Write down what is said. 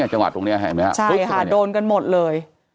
จังหวัดตรงเนี้ยเห็นมั้ยฮะใช่ค่ะโดนกันหมดเลย